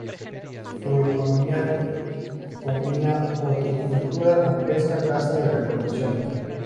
Su economía combina horticultura con pesca, caza y recolección.